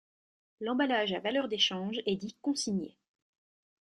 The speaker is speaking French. L'emballage à valeur d'échange est dit consigné.